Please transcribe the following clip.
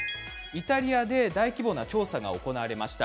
イタリアで大規模な調査が行われました。